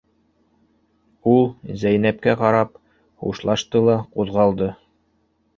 Ул Зәйнәпкә ҡарап хушлашты ла ҡуҙғалды.